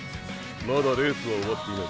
まだレースは終わっていない。